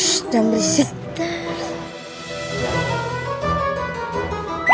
shh jangan berisik